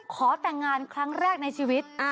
ขอแต่งงานครั้งแรกในชีวิต